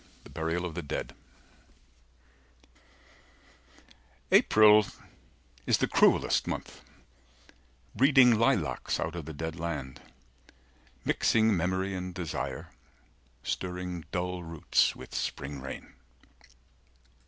THE BURIAL OF THE DEAD APRIL is the cruellest month, breeding Lilacs out of the dead land, mixing Memory and desire, stirring Dull roots with spring rain.